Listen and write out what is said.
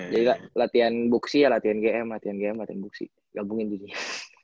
jadi latihan book city ya latihan gm latihan gm latihan book city gabungin gitu ya